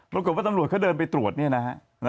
ปรากฏว่าตำรวจเขาเดินไปตรวจเนี่ยนะฮะ